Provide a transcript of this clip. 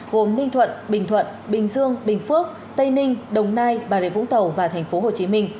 gồm ninh thuận bình thuận bình dương bình phước tây ninh đồng nai bà rịa vũng tàu và tp hcm